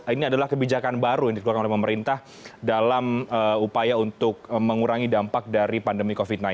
ini adalah kebijakan baru yang dikeluarkan oleh pemerintah dalam upaya untuk mengurangi dampak dari pandemi covid sembilan belas